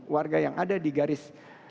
warga yang ada di garis